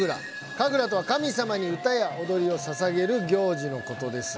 神楽とは神様に歌や踊りをささげるぎょうじのことです。